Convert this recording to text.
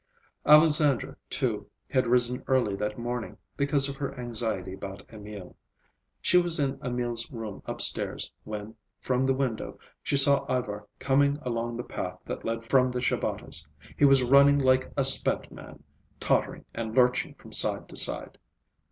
Alexandra, too, had risen early that morning, because of her anxiety about Emil. She was in Emil's room upstairs when, from the window, she saw Ivar coming along the path that led from the Shabatas'. He was running like a spent man, tottering and lurching from side to side.